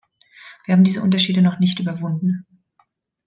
Wir haben diese Unterschiede noch nicht überwunden.